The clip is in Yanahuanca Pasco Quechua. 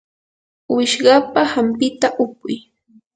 wishqapa hampita upuy.